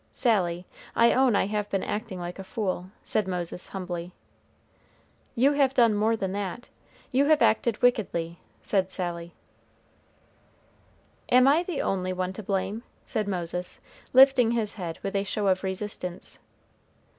"Sally, I own I have been acting like a fool," said Moses, humbly. "You have done more than that, you have acted wickedly," said Sally. "And am I the only one to blame?" said Moses, lifting his head with a show of resistance.